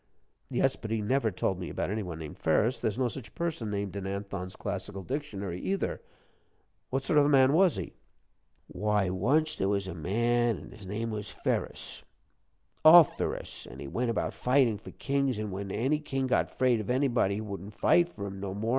"Yes, but he never told me about any one named Ferus; there's no such person named in Anthon's Classical Dictionary, either. What sort of a man was he?" "Why, once there was a man, an' his name was Ferus _Of_ferus, an' he went about fightin' for kings, but when any king got afraid of anybody, he wouldn't fight for him no more.